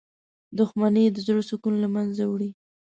• دښمني د زړه سکون له منځه وړي.